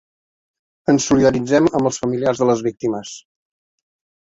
Ens solidaritzem amb els familiars de les víctimes.